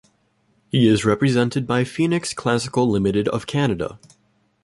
He is represented by Phoenix Classical Limited of Canada.